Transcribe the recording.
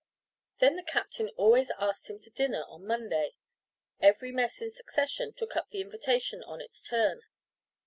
Then the captain always asked him to dinner on Monday. Every mess in succession took up the invitation in its turn.